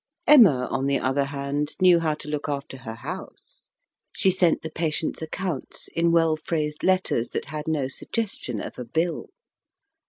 Emma, on the other hand, knew how to look after her house. She sent the patients' accounts in well phrased letters that had no suggestion of a bill.